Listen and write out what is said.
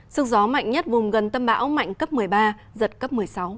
sức gió mạnh nhất vùng gần tâm bão mạnh cấp một mươi ba giật cấp một mươi sáu